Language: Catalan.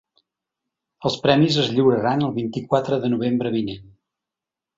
Els premis es lliuraran el vint-i-quatre de novembre vinent.